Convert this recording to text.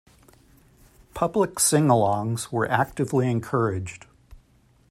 Public singalongs were actively encouraged.